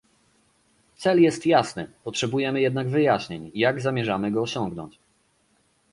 Cel jest jasny, potrzebujemy jednak wyjaśnień, jak zamierzamy go osiągnąć